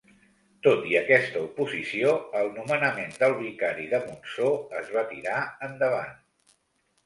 Tot i aquesta oposició el nomenament del vicari de Montsó es va tirar endavant.